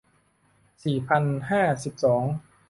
สี่พันห้าสิบสอง